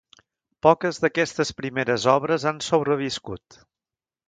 Poques d'aquestes primeres obres han sobreviscut.